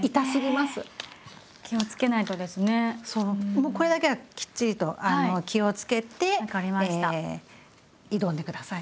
もうこれだけはきっちりと気を付けて挑んで下さい。